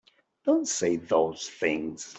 Don't say those things!